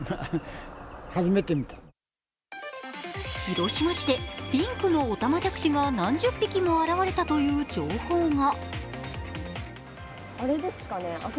広島市でピンクのオタマジャクシが何十匹も現れたという情報が。